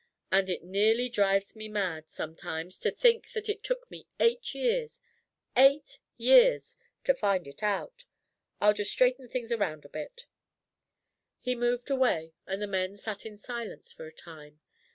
And it nearly drives me mad, sometimes, to think that it took me eight years eight years to find it out. I'll just straighten things around a bit." He moved away, and the men sat in silence for a time.